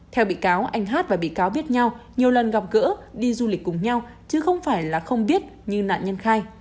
theo bị cáo anh hát và bị cáo biết nhau nhiều lần gặp gỡ đi du lịch cùng nhau chứ không phải là không biết như nạn nhân khai